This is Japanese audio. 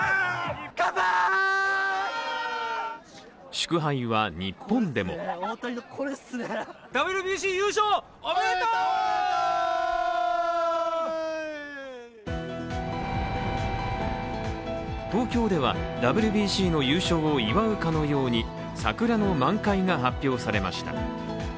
祝杯は日本でも東京ではＷＢＣの優勝を祝うかのように桜の満開が発表されました。